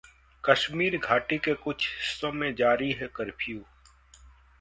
कश्मीर घाटी के कुछ हिस्सों में जारी है कर्फ्यू